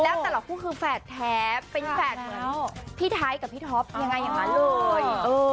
แล้วแต่ละคู่คือแฝดแท้เป็นแฝดเหมือนพี่ไทยกับพี่ท็อปยังไงอย่างนั้นเลย